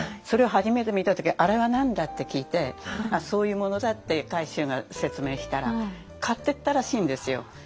それを初めて見た時「あれは何だ？」って聞いてそういうものだって海舟が説明したら買っていったらしいんですよ。